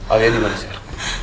alia dimana syir